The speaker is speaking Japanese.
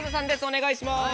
お願いします